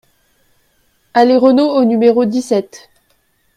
Allée Renault au numéro dix-sept